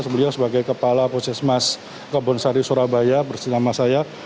sebenarnya sebagai kepala poses mas kebun sari surabaya bersama saya